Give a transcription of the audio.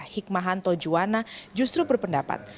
hikmahanto juwana justru berpendapat